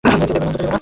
যেতে দেবে না।